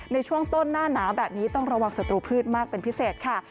ในช่วงต้นหน้าหนาวแบบนี้ต้องระวังศัตรูพืชมากเป็นพิเศษค่ะ